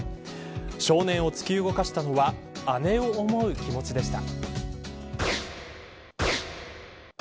少年を突き動かしたのは姉を思う気持ちでした。